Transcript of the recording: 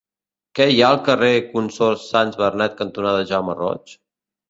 Què hi ha al carrer Consorts Sans Bernet cantonada Jaume Roig?